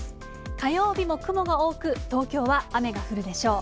火曜日も雲が多く、東京は雨が降るでしょう。